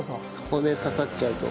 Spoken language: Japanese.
骨刺さっちゃうと。